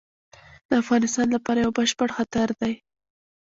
د افغانستان لپاره یو بشپړ خطر دی.